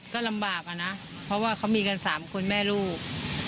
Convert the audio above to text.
ก็ลำบากอะนะเพราะว่าเขามีกัน๓คนแม่ลูก